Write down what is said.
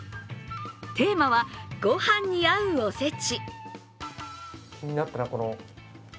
テーマはご飯に合うおせち。